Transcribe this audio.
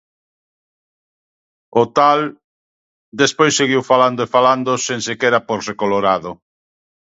O tal, despois seguiu falando e falando, sen sequera pórse colorado.